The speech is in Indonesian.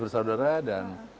dua belas bersaudara dan